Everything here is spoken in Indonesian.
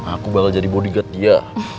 aku bakal jadi bodygat dia